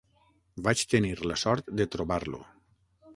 Vaig tenir la sort de trobar-lo.